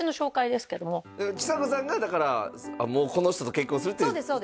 ちさ子さんがだからこの人と結婚するっていうそうです